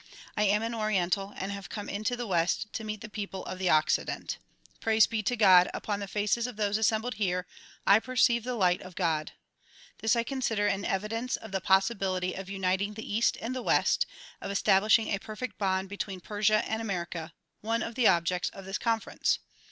I am an oriental and have come into the west to meet the people of the Occident. Praise be to God! upon the faces of those assembled here I perceive the light of God. This I consider an evidence of the possibility of uniting the east and the west ; of establishing a perfect bond between Pe r sia and America, one of the objects of this conference.